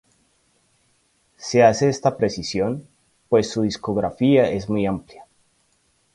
Se hace esta precisión, pues su discografía es muy amplia.